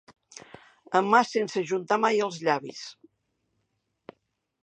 Amar sense ajuntar mai els llavis.